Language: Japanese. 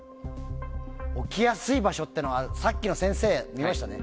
置きやすい場所っていうのはさっきの先生、見ましたよね。